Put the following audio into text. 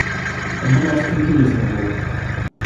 Хабаровск — интересный город